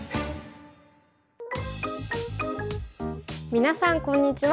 皆さんこんにちは。